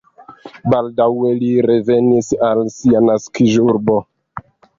Baldaŭe li revenis al sia naskiĝurbo.